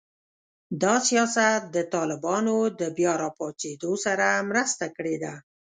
دا سیاست د طالبانو د بیا راپاڅېدو سره مرسته کړې ده